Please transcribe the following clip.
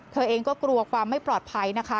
เธอเองก็กลัวความไม่ปลอดภัยนะคะ